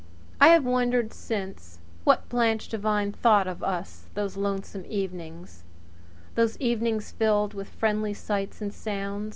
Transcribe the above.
I have wondered since what Blanche Devine thought of us those lonesome evenings those evenings filled with little friendly sights and sounds.